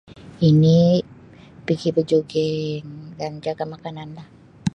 Ini pigi bejuging dan jaga makananlah.